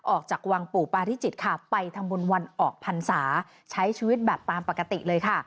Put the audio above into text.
ออกจากวังปู่ปาริจิตค่ะไปทำบุญวันออกพรรษาใช้ชีวิตแบบตามปกติเลยค่ะ